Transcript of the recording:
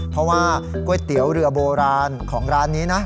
เพราะว่าก๋วยเตี๋ยวเรือโบราณของร้านนี้นะ